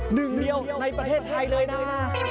หนึ่งเดียวในประเทศไทยเลยนะฮะ